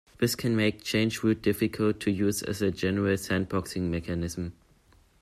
This can make chroot difficult to use as a general sandboxing mechanism.